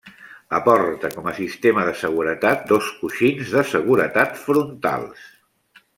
Aporta com a sistema de seguretat dos coixins de seguretat frontals.